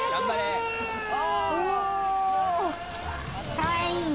かわいいね。